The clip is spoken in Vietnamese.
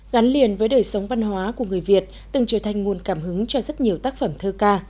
gắn liền với đời sống văn hóa của người việt từng trở thành nguồn cảm hứng cho rất nhiều tác phẩm thơ ca